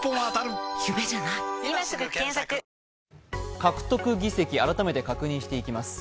獲得議席、改めて確認していきます。